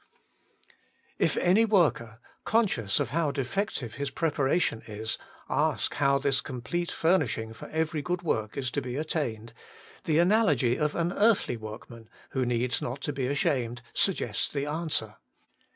If any worker, conscious of how defect ive his preparation is, ask how this com plete furnishing for every good work is to be attained, the analogy of an earthly work Working for God 107 man, who needs not be ashamed, suggests the answer.